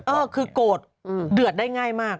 เออคือโกรธเดือดได้ง่ายมาก